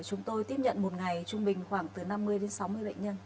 chúng tôi tiếp nhận một ngày trung bình khoảng từ năm mươi đến sáu mươi bệnh nhân